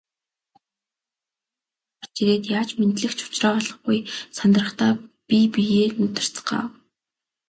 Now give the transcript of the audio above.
Майхнаас гурван залуу гарч ирээд яаж мэндлэх ч учраа олохгүй сандрахдаа бие биеэ нударцгаав.